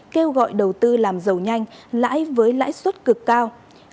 kêu gọi đầu tư làm giàu nhanh lãi với lãi suất cực cao